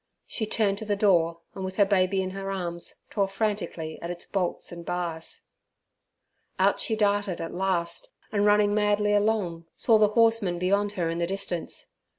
She turned to the door, and with her baby in her arms tore frantically at its bolts and bars. Out she darted at last, and running madly along, saw the horseman beyond her in the distance.